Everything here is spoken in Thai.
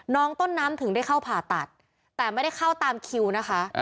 น้องต้นน้ำถึงได้เข้าผ่าตัดแต่ไม่ได้เข้าตามคิวนะคะ